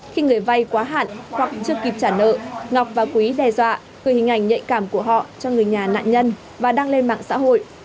khi người vay quá hạn hoặc chưa kịp trả nợ ngọc và quý đe dọa gửi hình ảnh nhạy cảm của họ cho người nhà nạn nhân và đăng lên mạng xã hội